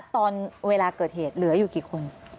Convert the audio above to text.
ตอนเวลาเกิดเหตุเหลืออยู่กี่คน